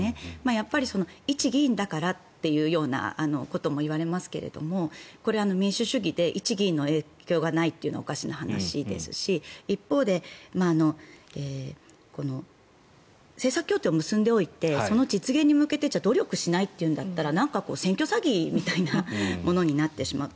やっぱり一議員だからというようなことも言われますがこれ、民主主義で一議員の影響がないというのはおかしな話ですし一方で政策協定を結んでおいてその実現に向けてじゃあ努力しないというんだったら選挙詐欺みたいなものになってしまう。